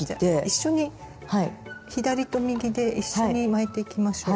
一緒に左と右で一緒に巻いていきましょう。